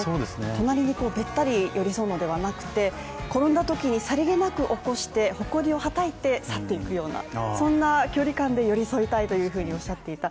隣にべったり寄り添うのではなくて、転んだときにさりげなく起こして、ほこりをはたいて去っていくような、そんな距離感で寄り添いたいというふうにおっしゃっていた。